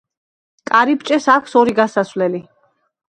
კარიბჭეს აქვს ორი გასასვლელი.